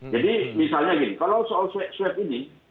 jadi misalnya gini kalau soal swab ini